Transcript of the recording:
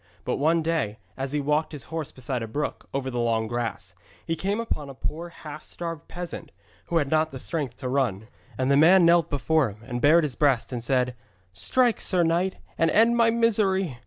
But one day, as he walked his horse beside a brook, over the long grass, he came upon a poor half starved peasant who had not strength to run. And the man knelt before him, and bared his breast, and said, 'Strike, sir knight, and end my misery!'